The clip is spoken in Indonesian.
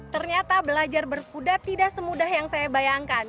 ternyata belajar berkuda tidak semudah yang saya bayangkan